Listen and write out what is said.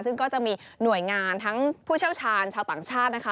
ซึ่งก็จะมีหน่วยงานทั้งผู้เชี่ยวชาญชาวต่างชาตินะคะ